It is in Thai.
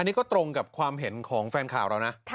อันนี้ก็ตรงกับความเห็นของแฟนข่าวเรานะ